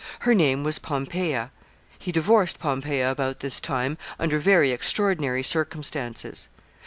Her name was Pompeia, He divorced Pompeia about this time, under very extraordinary circumstances.